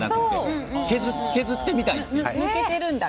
削ってみたい。